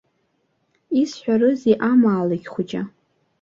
Иасҳәарызи амаалықь хәыҷы?